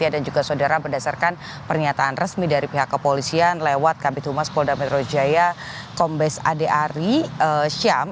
dan juga saudara berdasarkan pernyataan resmi dari pihak kepolisian lewat kabupaten humas polda metro jaya kombes ade ari syam